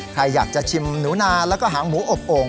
ใครอยากจะชิมหนูนาแล้วก็หางหมูอบโอ่ง